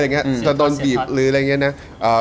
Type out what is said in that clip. เสียทอสหรืออะไรอย่างนี้นะ